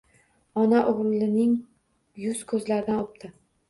Ona o‘g‘lining yuz-ko‘zlaridan o‘pdi.